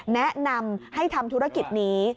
แนะนำให้ทำธุรกิจนี้